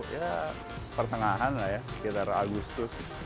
dua ribu sepuluh ya pertengahan lah ya sekitar agustus